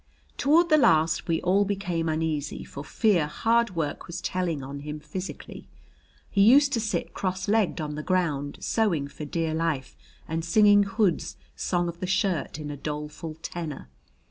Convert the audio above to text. Toward the last we all became uneasy for fear hard work was telling on him physically. He used to sit cross legged on the ground, sewing for dear life and singing Hood's "Song of the Shirt" in a doleful tenor.